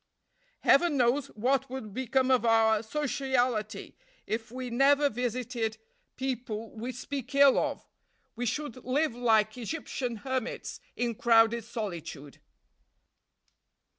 "Heaven knows what would become of our sociality if we never visited people we speak ill of; we should live like Egyptian hermits, in crowded solitude."